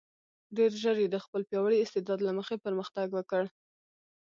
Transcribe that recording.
ډېر ژر یې د خپل پیاوړي استعداد له مخې پرمختګ وکړ.